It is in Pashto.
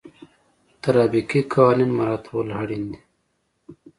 ټرافیکي قوانین مراعتول اړین دي.